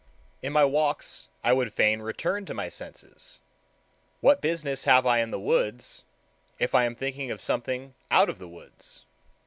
In my walks I would fain return to my senses. What business have I in the woods, if I am thinking of something out of the woods?